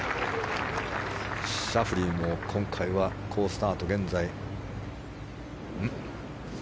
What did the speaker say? シャフリーも今回は好スタート。